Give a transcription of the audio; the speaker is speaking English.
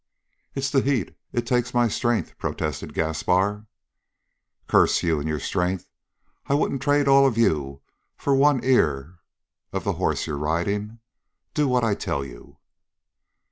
"It's the heat. It takes my strength," protested Gaspar. "Curse you and your strength! I wouldn't trade all of you for one ear of the hoss you're riding. Do what I tell you!"